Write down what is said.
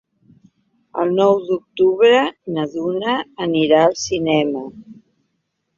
El nou d'octubre na Duna anirà al cinema.